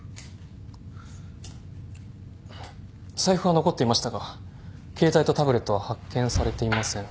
財布は残っていましたが携帯とタブレットは発見されていません。